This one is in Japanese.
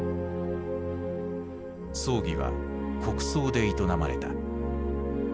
葬儀は国葬で営まれた。